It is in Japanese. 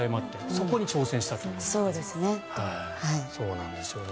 そこに挑戦したということですね。